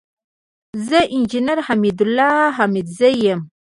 زه انجينر حميدالله احمدزى يم.